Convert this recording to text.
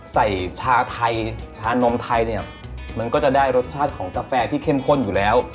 ชาไทยชานมไทยเนี่ยมันก็จะได้รสชาติของกาแฟที่เข้มข้นอยู่แล้ว